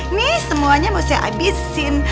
ini semuanya mau saya habisin